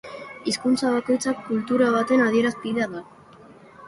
Hizkuntza bakoitza kultura baten adierazpidea da.